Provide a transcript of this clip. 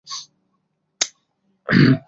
সুচরিতা কহিল, কী ভাই ললিতা!